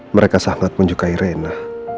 mereka sangat menyukai rena